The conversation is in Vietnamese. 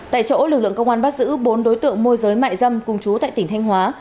tại chỗ lực lượng công an bắt giữ bốn đối tượng môi giới mại dâm cùng chú tại tỉnh thanh hóa